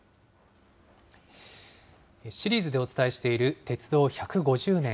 シリーズでお伝えしている鉄道１５０年。